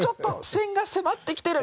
線が迫ってきてる！」